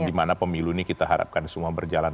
di mana pemilu ini kita harapkan semua berjalan